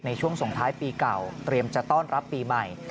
ช่วงส่งท้ายปีเก่าเตรียมจะต้อนรับปีใหม่